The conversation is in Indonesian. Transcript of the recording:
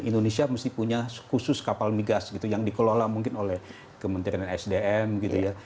indonesia mesti punya khusus kapal migas gitu yang dikelola mungkin oleh kementerian sdm gitu ya